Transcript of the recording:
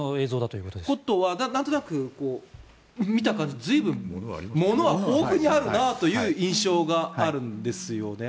ということはなんとなく見た感じ、随分と物は豊富にあるなという印象があるんですよね。